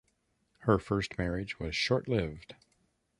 Her first marriage was short-lived.